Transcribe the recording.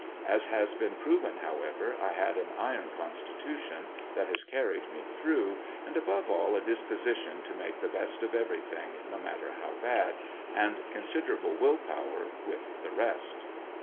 As has been proven however, I had an iron con stitution that has carried me through and above all a disposition to make the best of everything no matter how bad, and consider able will power with the rest.